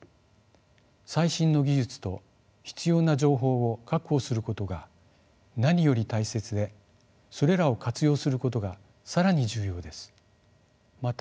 最新の技術と必要な情報を確保することが何より大切でそれらを活用することが更に重要です。